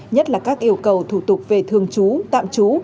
nhất là các yêu cầu thủ tục về thường trú tạm trú